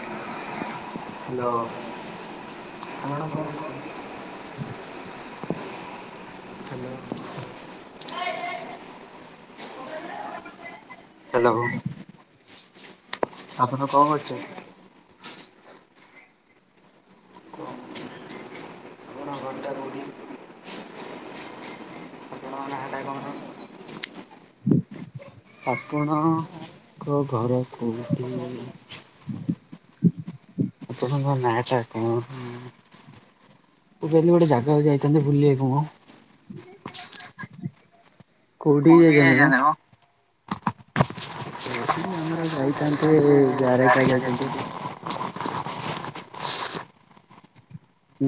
ହ hello. Hello. ହ ଆପଣ କଣ କରୁଛନ୍ତି? [inaudible] ତମ ନାଁ ଟା କଣ? ହ ଆପଣଙ୍କ ଘର କୋଉଠି? ଆପଣଙ୍କ ନାଁ ଟା କଣ ବେଲି [inaudible] ଯାଇଥାନ୍ତେ ବୁଲିବାକୁ ମ? କୋଉଠିକି ଯାଇଛନ୍ତି ମ? ସେଠି ଆମର ଯାଇଥାନ୍ତେ ଜାରେକା ଯାଇଥାନ୍ତି।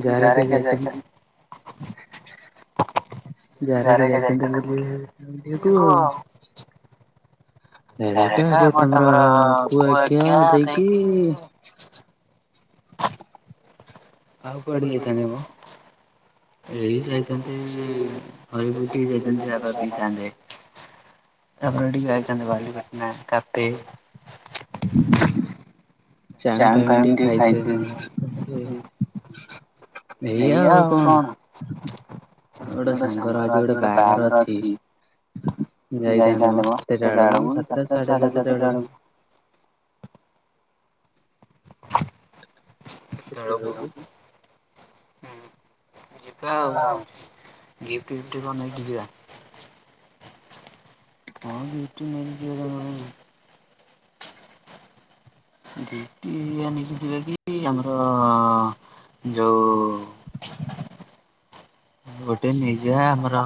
ଜାରେକା ଯାଇଥାଆନ୍ତି। ଯାରେକା ଯାଇଥାନ୍ତି ବୁଲିବାକୁ ଆଉ ଯାରେକା ଏପଟେ ଆମର କୁଆଖିଆ ଦେଇକି ଆଉ କୁଆଡ଼େ ଯାଇଥାନ୍ତି ମ? ଏଇ ଯାଇଛନ୍ତି ହରଭତି ହେଇ ଯାଇଛନ୍ତି ସାର ଦିଣ୍ଡେ। ତାପରେ ଟିକେ ଯାଇଥାନ୍ତି ବାଲିପାଟଣା କାଫେ। ଚାମିନ ଫାଇମିନ ଟିକେ ଖାଇଥାନ୍ତି। ଏଇଆ ଆଉ କଣ? ଗୋଟେ ସାଙ୍ଗର ଆଜି ଗୋଟେ ବାହାଘର ଅଛି। ଯାଇଥାନ୍ତେମ ଦେଖିଲା ବେଳକୁ ସାତଟା ସାଢେ ସାତଟା ବେଳକୁ। ହାଲୋ। ଉ ହଉ ଗିଫ୍ଟ ଫିଫ୍ଟ କନେଇକି ଯିବା। ହଁ ବିଟ ନ ଯ [unintelligible] [inaudible] କି ଆମର ଯୋଉ ହ [unintelligible] ଗୋଟେ ନେଇଯିବା ଆମର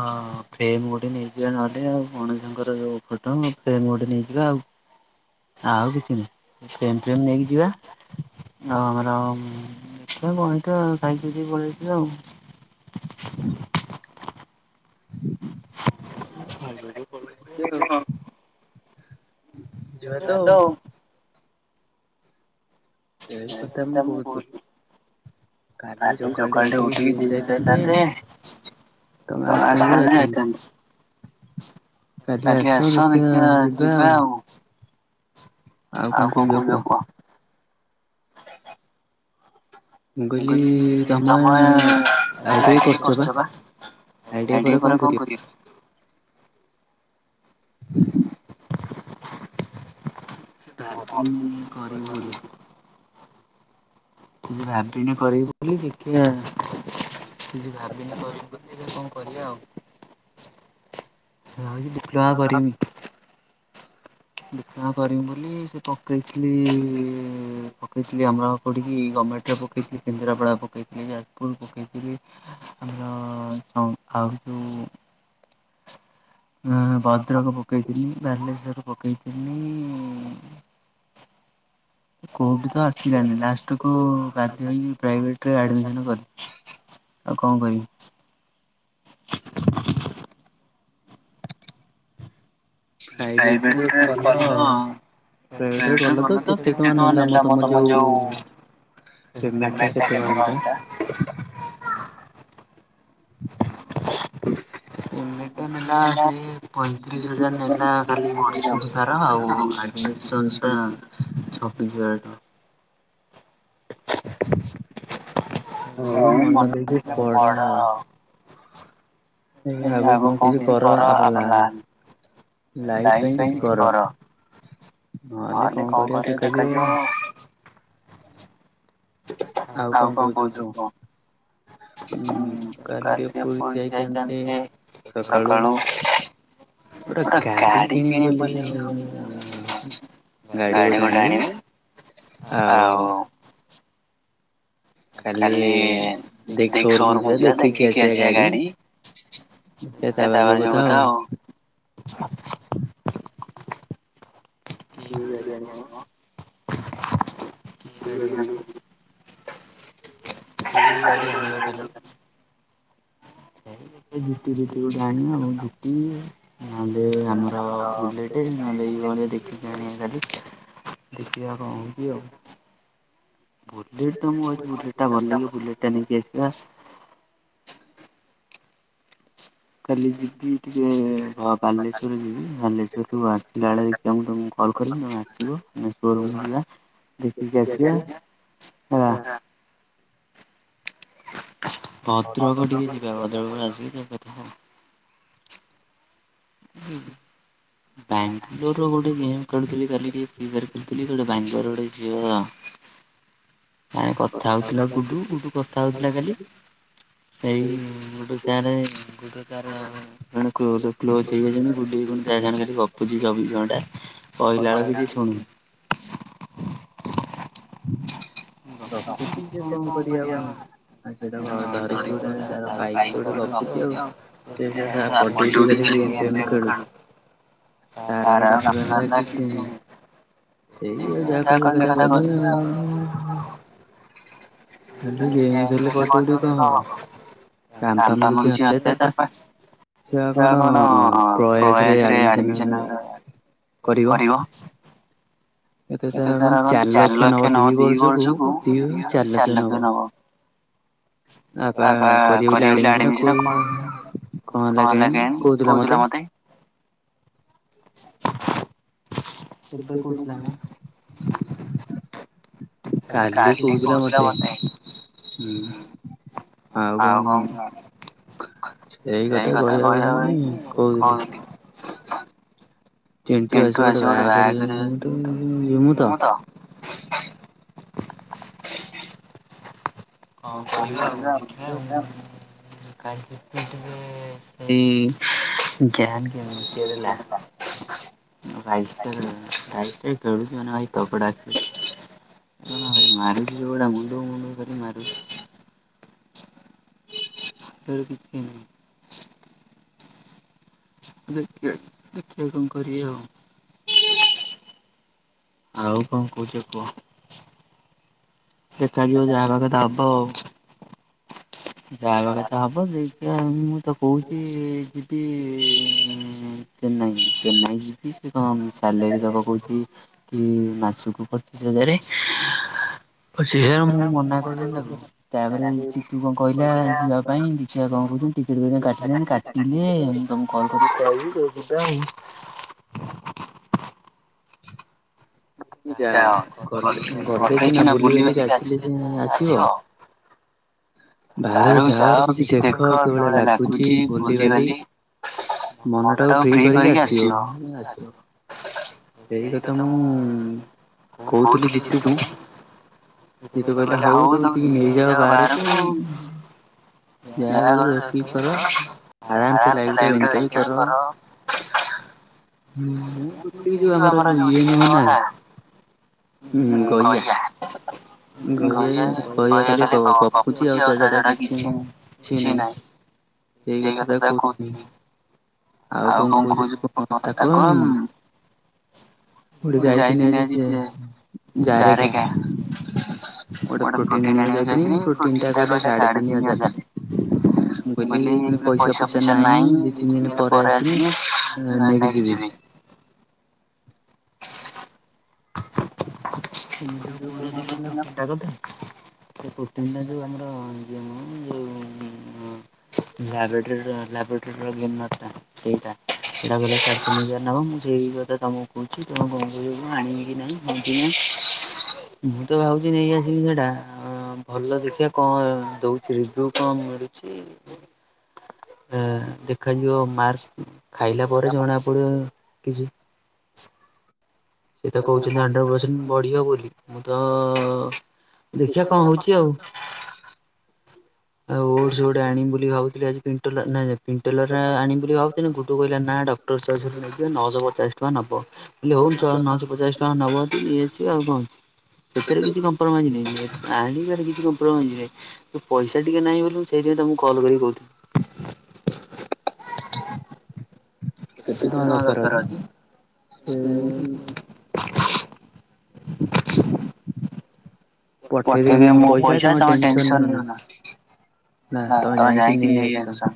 ଫ୍ରେମ ଗୋଟେ ଗୋଟେ ନେଇଯିବା ନହଲେ ଆଉ ଗଣେଷଙ୍କର ଯୋଉ ଫୋଟୋ ଫ୍ରେମ ଗୋଟେ ନେଇଯିବା ଆଉ। ଆଉ କିଛି ନୁହଁ ଫ୍ରେମ ଫେମ ନେଇକି ଯିବା। ଆ ଆମର କଣ ଦିଟା ଖାଇକି ଦିଟା ପଳେଇଥିବା। ଦେ [inaudible] ଯିବା ତ ଆଉ ସେଇ କଥା ମୁଁ କହୁଥିଲି। କାଲି ସକାଳଟେ ଉଠିକି ଜିମ ଯାଇଥାନ୍ତେ। ତମେ ଆସିଥାଲେ ଯାଇଥାନ୍ତେ। କାଲି ଆସ ଦେଖିବା ଯିବା ଆଉ। ଆଉ କଣ କହୁଚ କୁହ? [inaudible] ମୁଁ କହିଲି ତମେ ଆଇଟି ଆଇ କରିଚ ପା? ଆଇଟି ଆଇ ପରେ କଣ କରିବ? [inaudible] ପ୍ଲାଟ ଫ୍ରମ୍ କରି ବୋଲି। [unintelligible] ଟେ କରିବି ବୋଲି ଦେଖିଆ। କିଛି ଭାବିନି କରିବି ବୋଲି ଦେଖିଆ କଣ କରିବା ଆଉ। ହଁ ଏଇ ଡିପ୍ଲୋମା କରମି। ଡିପ୍ଲୋମା କରିବି ବୋଲି ସେ ପକେଇଥିଲି ପକେଇଥିଲି ଆମର କଉଠି କି ଗମେଣ୍ଟରେ ପକେଇଥିଲି କେନ୍ଦ୍ରାପଡା ପକେଇଥିଲି ଯାଜ ସ୍କୁଲ ପକାଇକରି ଆମର ଆଉ ଯେଉଁ [unintelligible] ହୁଁ ହୁଁ ଭଦ୍ରକ ପକେଇଥିଲି ବାଲେଶ୍ୱର ପକେଇଥିଲି। କୋଉଠି ତ ଆସିଲାନି ଲାଷ୍ଟ କୁ ବାଧ୍ୟ ହେଇକି ପ୍ରାଇଭେଟ ରେ ଆଡ଼ମିସନ କରି ଆଉ କଣ କରିବି? ଯୋଉ ପ୍ରାଇଭେଟରେ କଲ ଡେରିରେ ଗଲ ତ କେତେ ଟଙ୍କା ନେଲା ମ ତମ ଯୋଉ ପେମେଣ୍ଟ ଟା କେତେଟଙ୍କା ହେଲା? ପେମେଣ୍ଟ ଟା ନେଲା ହେଟା ସେ ପଇଁତିରିଶ ହଜାର ନେଲା ଡେଲି [unintelligible] ସାରା ଆଉ [unintelligible] ଛବିସ ହଜାର ଟଙ୍କା। [inaudible] ହଉ ମନ ଦେଇକି ପଢ ଆଉ। ଏ ଆଗକୁ କଣ କିଛି କର ଆପରେ ଲାନ। ଲାଇଫ ପାଇଁ କିଛି କର ନହେଲେ କଣ କରିବ ଦେଖାଯିବ। ଆଉ କଣ କହୁଛ କୁହ? ହୁଁ କାଲି ପୁରୀ ଯାଇଥାନ୍ତେ? ସକାଳୁ ଗୁଟେ ଗାଡି କିଣିବି ବୋଲି ହ ଗାଡି ଗୋଟେ ଆଣିବି ଆଉ କାଲି ଦେଖ ସୋରକୁ ଯିବା ଦେଖିକି ଆସିବା ଗାଡି। ଏ ତାପରେ ଯୋଉ କଥା ଆଉ। କି ଗାଡି ଆଣିବ? ଗାଡ଼ି ଆଣ। [unintelligible] ଜୁତି ଫତି ଗୋଟେ ଆଣିବ ଆଉ ଜୁତି ନହଲେ ଆମରଟେ [unintelligible] ହ ଦେଇ ଦେଖିକି ଆଣି ଖାଲି ଦେଖିବା କଣ ହେଉଚି ଆଉ? ବୁଲେଟ ତ ମୁଁ ଭାବୁଛି ବୁଲେଟ ଟା ଭଲ ଲାଗୁଚି ସେଟା ନେଇକି ଆସିବା। କାଲି ଯିବି ଟିକେ ଭ ବାଲେଶ୍ଵର ଯିବି ବାଲେଶ୍ଵର ରୁ ଆସିଲା ବେଳେ ମୁଁ ତମକୁ କଲ କରିବି ତମେ ଆସିବ ସୋ ରୁମ୍ କୁ ହେଲା ଦେଖିକି ଆସିବା। ହେଲା ହଁ। ଭଦ୍ରକ ଟିକେ ଯିବା ଭଦ୍ରକ ରୁ ଆସିକି ଯୋଉ କଥା। ବାଙ୍ଗଲୋରରୁ ଗୋଟେ ଗେମ୍ ଖେଳୁଥିଲି ଖାଲି ଟିକେ ଫ୍ରୀ ଫେୟାର କିଏ [unintelligible] ବାଙ୍ଗାଲୋରରୁ ଗୋଟେ ଝିଅ ତାଙ୍କେ କଥା ହଉଥିଲା ଗୁଡୁ ଗୁଡୁ କଥା ହଉଥିଲା କାଲି। ଏଇ ଗୁଡ଼ୁ ଗାଁରେ ଗୁଡୁର ତାର ଜଣେ କ୍ଲୋଜ କ୍ଲୋଜ କହୁଛନ୍ତି ଗୁଡ଼ି ଭାଇ ପୁଣି ତାସାଙ୍ଗରେ ଗପୁଛି ଚବିଶ ଘଣ୍ଟା କହିଲାଏଳକୁ କାଇଁ ଶୁଣୁନି। ରଖୁଛି କିଏ କଣ କରିବାକୁଭାବୁଚି? ଆଉ ସେଟା କଣ ଧରିକି ଗୋଟେ ତାର ପାଇକି ଗୋଟେ ଗପୁଛି ଆଉ ସେ ସେଟା ପଲି ଡ୍ୟୁଟି କରିକି ଏମ ପି ଏମ ଖେଳୁଛି। ତାର ଆଉ କାମଧନ୍ଧା କିଛି ନାହିଁ ସେଇ ଆଉ ଯାହା କରିବା କଥା କରିବ। ଓ ହ ହ। କହ? [unintelligible] କାମ ଫାମ କିଛି ନଥାଏ ତାର ପାଶ। ସେ କଣ ପ୍ରୟାସରେ ଆଡମିଶନ କରିବ? ଏତେ ତାର କଣ ଚାରି ଲକ୍ଷ ନବ ଦି ବର୍ଷକୁ ଦି ବର୍ଷ ଚାରି ଲକ୍ଷ ନବ। ତା ବାପା କରିବେ ବୋଲି ଆଡମିସନ କଉ କଣ ହେଲା କେଜାଣି କହୁଥିଲା ମତେ? କେବେ କେଜାଣି? କାଲି କହୁଥିଲା ମତେ ହୁଁ। ଆଉ କଣ ଉଁ ସେଇ କଥା କହିବା ପାଇଁ ହିଁ କହୁଥିଲି। ଚିଣ୍ଟୁ ଆସିବ ଗୋଟେ ବାହାଘର ଯିବୁ ତ ଯମୁ ତ। ହଁ କ ଆଉା ସେଇ [unintelligible] ଜାନ କି ନିଚରେ। [inaudible] ବାଇଶଟା ଖ ବାଇଶଟା ଖେଳୁଛି ମାନେ ଭାଇ ତପଡାଛି। [unintelligible] ମାରିକଟା ମୁଣ୍ଡୁ ମୁଣ୍ଡ କରିାର [inaudible] ସେ କିଛି ନାହିଁ। [inaudible] ଦେଖିବା ଦେଖିବା କଣ କରିବି ଆଉ? ଆଉ କଣ କହୁଛ କୁହ? ଦେଖାଯିବ ଯାହା ହବା କଥା ହବ ଆଉ। ଯାହା ହବା କଥା ହବ ଦେଖିବା ମୁଁ ତ କହୁଛି ଯିବି ଇ ଉଁ ଚେନ୍ନାଇ ଚେନ୍ନାଇ ଯିବି କି କଣ ସାଲେରି ଦବ କହୁଛି? ହୁଁ ମାସକୁ ପଚିଶ ହଜାରେ। ହଁ ସେଇଆ ମୁଁ କଣ ମନା କରିିଦେଲି ତାକୁ ତାପରେ ଚିକୁ କଣ ପା ଯିବା ପାଇଁ କି କଣ କହୁଛନ୍ତି ଟିକେଟ କାଟୀଲାଣି କାଟିଲେ ମୁଁ ତମକୁ କଲ କରିବି କ ସେଇ କଉଛି ତ ଆଉ। ମୁ ଯାଅ ଗ ଗଲେ ସିନା ବୁଲି ବାଲିିକି ଆସିଲେ ଯାଇ ଆସିବ। ବାହାରକୁ ଯାଅ କିଛି ଦେଖ ସବୁବେଳେ ଲାଗୁଛି ବୁଲିିବାଲି ମନ ଟାକୁ ଫ୍ରି କରିକି ଆସିବ। ସେଇ କଥା ମୁଁ କୋହୁ କୋହୁଥିଲି ଜିତୁକୁ। ଜିତୁ ଭାଇ ତ କହିଲା ହଉ ତାକୁନେଇ ନେଇଯାଅ ବାହାରକୁ। ଯାହା କରୁଚ ଦେଖିକି କର ଆରାମସେ ଲାଇଫଟାକୁ ଏଞ୍ଜଏ କର। ହୁଁ ମୁଁ କହୁଥିଲି ଯୋଉ ଆମର ଯୋଉ ଇଏ ନୁହ ନା ହୁଁ ଗଇଆ ଗଇଆ କାଲି କ କ କଉଛି ଆଉ ତା ଛଡା କିଛି ନୁହୁଁ କିଛି ନାହିଁ ଏଇ କଥା ତାକୁ କହୁଥିଲି। ଆଉ କଣ କହୁ [unintelligible] କଣ କୋଉଠି କି ଯାଇଥିଲେ ଆଜି ସେ? ଜାରେକା ଗୋଟେ ପ୍ରୋଟିନ୍ ଆଣିବାକୁ ଯାଇଥିଲି। ପ୍ରୋଟି ଇନ୍ତା କହିଲା ସାଢେ ତିନି ହଜାରେ, ମୁଁ କହିଲି ଏ ଖୁଣୀ ପଇସା, ଫଇସା ନାହିଁ ଦେଖି ତିନି ଦିନି ପରେ ଆସିମି ନେଇକି ଯିବି। [unintelligible] ଯୋଉ ଆମର [unintelligible] ସେଇଟା। ସେଇଟା କହିଲା ସାଢ଼େ ତିନି ହଜାର ନବ ମୁଁ ସେଇ କଥା ତମକୁ କହୁଛି, ତମେ [unintelligible] ଆଣିବ କି ନାହିଁ କିଣି ବିକି ନାହିଁ? ମୁଁ ତ ଭାବୁଛି ନେଇ ଆସିବି ସେଇଟା। ଆଉ ହଁ ଭଲ ଦେଖିବା କଣ ଦୋଉଛି ରିଭିଉ କଣ ମିଳୁଛି? ଏ ଦେଖାଯିବ ମାର୍ ଖାଇଲା ପରେ ଜଣା ପଡିବ କିଛି। ସେତ କହୁଛନ୍ତି ହଣ୍ଡ୍ରେଡ୍ ପର୍ସେଣ୍ଟ ବଢିବ ବୋଲି, ମୁଁ ତ ଦେଖିଆ କଣ ହୋଉଛି ଆଉ। ଆଉ ଓଡ୍ସ୍ ଗୋଟେ ଆଣିବି ବୋଲି ଭାବୁଥିଲି ଆଜି ପିଣ୍ଟୁ କହିଲା ନାଇଁ ପିଣ୍ଟ ଟେଲେର ଆଣିବି ବୋଲି ଭାବୁଥିଲି, ଗୁଡ଼ୁ କହିଲା ନା ଡକ୍ଟର ଚଏସ୍ ରେ ନେଇଯିବା ନଅଶହ ପଚାଶ ଟଙ୍କା ନବ। ହେଲେ ହୋଉ ତ ନଅଶହ ପଚାଶ ଟଙ୍କା ନବ ଜଦୀ ନେଇ ଆସିବି ଆଉ କଣ? ସେଥିରେ କିଛି କମ୍ପ୍ରମାଇଜ୍ ନାହିଁ। ଆଣିବାରେ କିଛି କମ୍ପ୍ରମାଇଜ୍ ନାହିଁ। ପଇସା ଟିକେ ନାହିଁ ବୋଲି ସେଥିପାଇଁ ମୁଁ ତମକୁ କଲ୍ କରି କହୁଥିଲି। କେତେ ଟଙ୍କା ଦରକାର ଅଛି? ସେଇ ପଠେଇଦେବି ମୁଁ ପଇସା ତମେ ଟେନ୍ ସନ୍ ନିଅନା। ହଁ ତମେ ଯାଇକି ନେଇଆସ।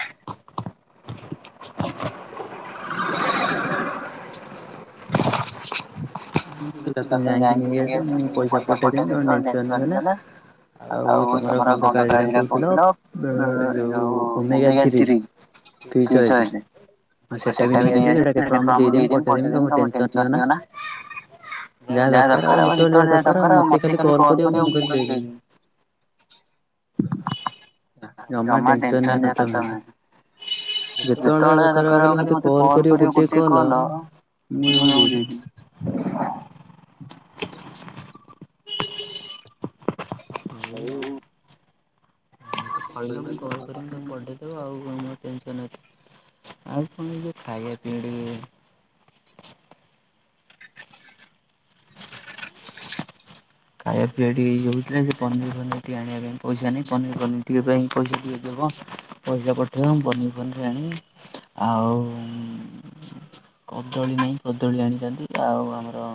[unintelligible] [unintelligible] ଆଉ ତମର କଣ ଦରକାର ଥିଲା କହୁଥିଲ ଯୋଉ, ଓମେଗା ଥ୍ରୀ। [unintelligible] ସେଟା ବି ନେଇଆଶିବୁ, କେତେ ଟଙ୍କା ମୁଁ ପଠେଇ ଦେବୀ ତମେ ଟେନ୍ ସନ୍ ନିଅନା। ଯାହା ଦରକାର ହବ ଯେତେବେଳେ ଯାହା ଦରକାର ହବ ମତେ ଖାଲି କଲ୍ କରିବ, ମୁଁ କହିଲି ଦେଇଦେବି। ଜମା ଟେନ୍ ସନ୍ ନିଅନା ତମେ। ଯେତେବେଳେ ଯା ଦରକାର ହବ ଖାଲି ମତେ କଲ୍ କରିବ ଗୋଟିଏ କଅଲ ମୁଁଁ ତମକୁ ଦେଇ ଥିନି। [unintelligible] ଆଉ କହିଲ ମୁଁ କଲ୍ କରିବି ତମ ବଡେ ତୁ ଆଉ କଣ ମୋର ଟେନସନ୍ ଅ ଆଉ କଣ ଯେ ଖାଇବା ପିଇବା ଟିକେ ଖାଇବା ପିଇବା ଟିକେ ଇଏ ହେଉଥିଲା, ନା ସେ ପନିର୍ ଫନିର୍ ଟିକେ ଆଣିବା ପାଇଁ ପଇସା ନାହିଁ। ପନିର୍ ଫନିର୍ ଟିକେ ପାଇଁ ପଇସା ଟିକେ ଦବ ପଇସା ପଠେଇବ ମୁଁ ପନିର୍ ଫନିର୍ ଟିକେ ଆଣିିବି। ଆଉ କଦଳୀ ନାଇଁ, କଦଳୀ ଆଣିଥାନ୍ତି। ଆଉ ଆମର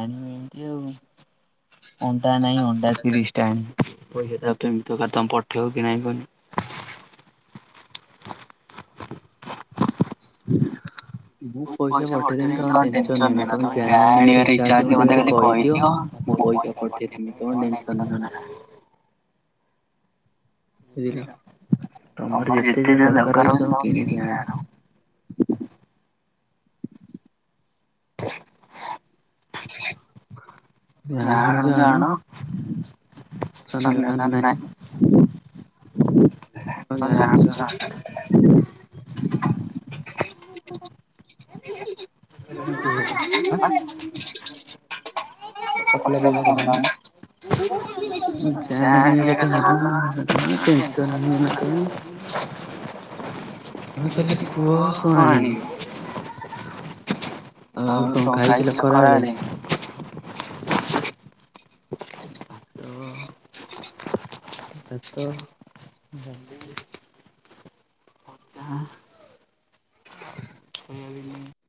ଆଣିବି ଏମିତି ଆଉ ଅଣ୍ଡା ନାଇଁ ଅଣ୍ଡା ତିରିଶି ଟା ଆଣିବି। ପଇସାଟା ଆଉ କେମିତି ଦବ ତମେ ପଠେଇବ କିଣା କୁଣି ହ ମୁଁ ପଇସା ପଠେଇଦେମି ତମେ ଟେନ୍ ସନ୍ ନିଅନା, ତମେ ଯାହା ଆଣିବାର ଇଛା ଅଛି ମତେ ଖାଲି କହିଦିଅ ମୁଁ ପଇସା ପଠେଇଦେବି ତମେ ଟେନସନ୍ ନିଅନା। ବୁଝିଲ ତମର ଯେତେ ଯାହା ଦରକାର ହୋଉଛି ତମେ କିଣିକି ଆଣ। [inaudible] ଯାହା ଆଣୁଚ ଆଣ [unintelligible] ହଁ ଯାହା ଆଣୁଚ ଆଣ। [unintelligible] [unintelligible] [unintelligible] [unintelligible] ହଁ ଆଉ କଣ ଖାଇଥିଲ ଖରାବେଳେ? [inaudible] ଭାତ, ଡାଲି [unintelligible] [inaudible]